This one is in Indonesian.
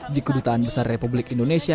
di kedutaan bes bananas